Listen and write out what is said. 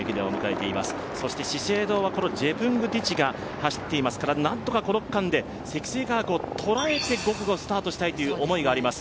資生堂はジェプングティチが走っていますから何とかこの区間で積水化学を捉えて５区のスタートをしたいという思いがあります。